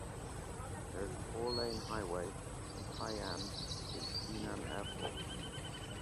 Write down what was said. There is a four-lane highway from Tai'an to the Jinan Airport.